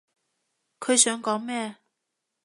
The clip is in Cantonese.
佢想講咩？